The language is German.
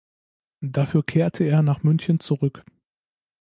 Dafür kehrte er nach München zurück.